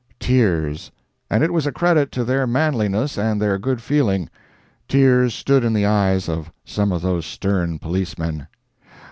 Tears—and it was a credit to their manliness and their good feeling—tears stood in the eyes of some of those stern policemen.